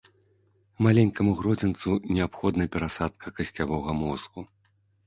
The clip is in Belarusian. Маленькаму гродзенцу неабходна перасадка касцявога мозгу.